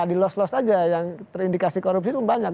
dilos los aja yang terindikasi korupsi itu banyak